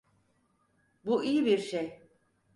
Bu iyi birşey.